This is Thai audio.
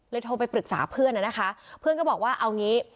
โทรไปปรึกษาเพื่อนนะคะเพื่อนก็บอกว่าเอางี้